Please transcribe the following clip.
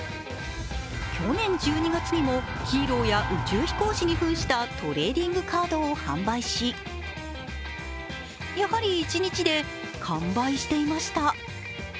去年１２月にもヒーローや宇宙飛行士にふんしたトレーディングカードを販売しやはり一日で完売していました。